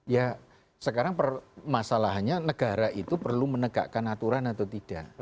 ya sekarang permasalahannya negara itu perlu menegakkan aturan atau tidak